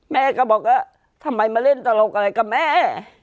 แม่ก็บอกว่าทำไมมาเล่นตลกอะไรกับแม่